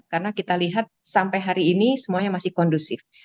karena kita lihat sampai hari ini semuanya masih kondusif